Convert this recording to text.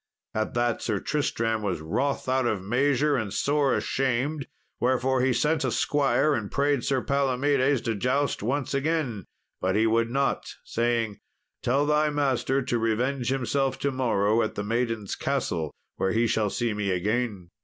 At that Sir Tristram was wroth out of measure and sore ashamed, wherefore he sent a squire and prayed Sir Palomedes to joust once again. But he would not, saying, "Tell thy master to revenge himself to morrow at the Maiden's Castle, where he shall see me again."